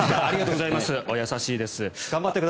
ありがとうございます。